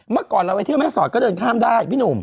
เมื่อก่อนเราไปเที่ยวแม่สอดก็เดินข้ามได้พี่หนุ่ม